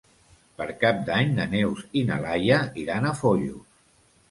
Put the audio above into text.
Per Cap d'Any na Neus i na Laia iran a Foios.